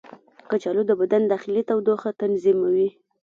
کچالو د بدن داخلي تودوخه تنظیموي.